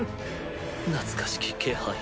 懐かしき気配